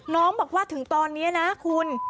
น้องบอกว่าถึงตอนนี้นะคุณ